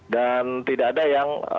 dan tidak ada yang